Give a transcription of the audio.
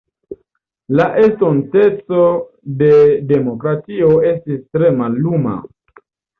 La estonteco de demokratio estis tre malluma.